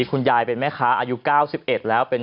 คุณยายเป็นแม่ค้าอายุ๙๑แล้ว